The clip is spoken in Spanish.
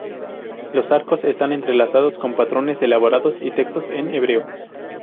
Los arcos están entrelazados con patrones elaborados y textos en hebreo.